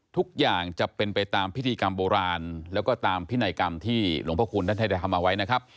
ทุกอย่างจะเป็นไปตามพิธีกรรมโบราณแล้วก็ตามพินัยกรรมที่หลวงพระคุณท่านได้ทำเอาไว้นะครับ